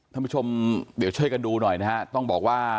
ท่านผู้ชมเดี๋ยวช่วยกันดูหน่อยนะฮะต้องบอกว่า